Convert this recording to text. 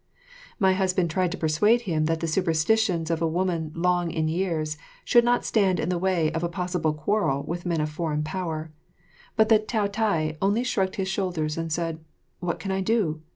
My husband tried to persuade him that the superstitions of a woman long in years should not stand in the way of a possible quarrel with men of a foreign power, but the Taotai only shrugged his shoulders and said, "What can I do?